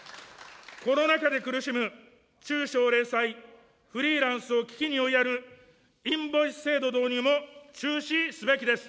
コロナ禍で苦しむ中小零細・フリーランスを危機に追いやるインボイス制度導入も中止すべきです。